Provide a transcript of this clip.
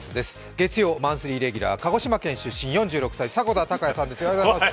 月曜マンスリーレギュラー、鹿児島県出身、４６歳、迫田孝也さんです。